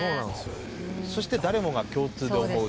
そして誰もが共通で思う。